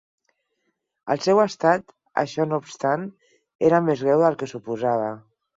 El seu estat, això no obstant, era més greu del que suposava.